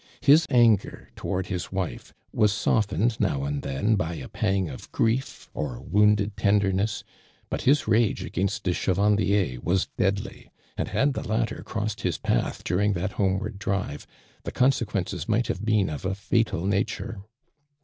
His anger toward his wife was softened now and then by a pang of grief or wounded tenderness ; but his rage against de Chevandicr was deadly, and had the latter crossed his path during that homeward drive, the consc (juences might have been of a fatal nature.